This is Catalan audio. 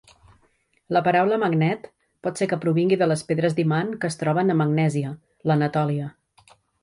La paraula "magnet" pot ser que provingui de les pedres d'imant que es troben a Magnèsia, l'Anatòlia.